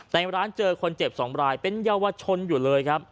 ในร้านเจอคนเจ็บ๒รายเป็นเยาวชนอยู่เลยครับ